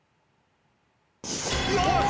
よし！